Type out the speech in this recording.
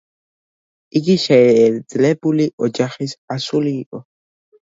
იგი შეძლებული ოჯახის ასული იყო.